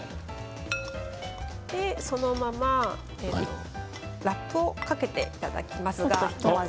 そのまま、ラップをかけていただきます。